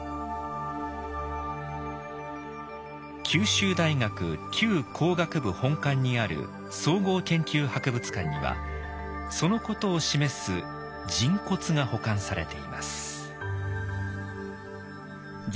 九州大学旧工学部本館にある総合研究博物館にはそのことを示す人骨が保管されています。